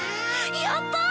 やったー！